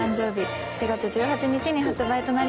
４月１８日に発売となります。